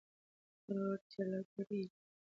هر غړی جلا ګړۍ لري.